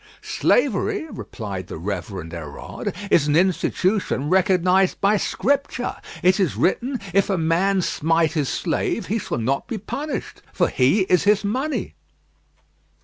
"Slavery," replied the Reverend Hérode, "is an institution recognised by Scripture. It is written, 'If a man smite his slave, he shall not be punished, for he is his money.'"